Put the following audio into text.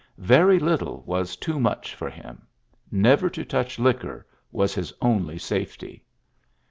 Very little was too much for him. Never to touch liquor was his only safety.